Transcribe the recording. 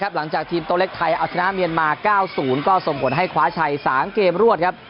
หลังจากทีมโตเล็กไทยเอาชนะเมียนมา๙๐ก็ส่งผลให้คว้าชัย๓เกมรวดครับ